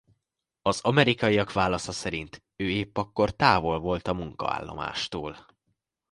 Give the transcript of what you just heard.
Az amerikaiak válasza szerint ő épp akkor távol volt a munkaállomásától.